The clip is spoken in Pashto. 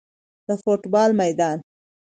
د فوټبال میدان